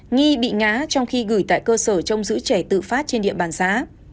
nghi bị ngã trong khi gửi tại cơ sở trông giữ trẻ tự phát trên điện bàn xã